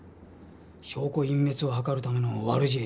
証拠隠滅を図るための悪知恵。